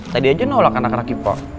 tadi aja nolak anak anak kepo